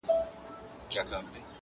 o چيري چي زړه ځي، هلته پښې ځي!